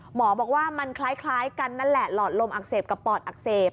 หมอบอกว่ามันคล้ายกันนั่นแหละหลอดลมอักเสบกับปอดอักเสบ